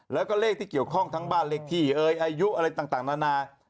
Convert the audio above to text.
แล้วก็เลขที่เกี่ยวข้องทั้งบ้านเลขที่เอ่ยอายุอะไรต่างนานา